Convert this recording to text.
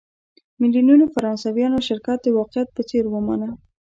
میلیونونو فرانسویانو شرکت د واقعیت په څېر ومانه.